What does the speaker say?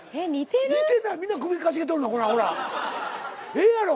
ええやろ！